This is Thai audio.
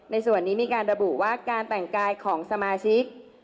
ในส่วนนี้มีการระบุว่าการแต่งกายของสมาชิก